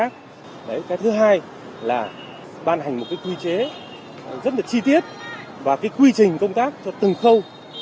cái thứ hai là ban hành một quy chế rất chi tiết và quy trình công tác cho từng khâu